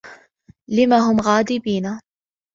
لم هم غاضبين؟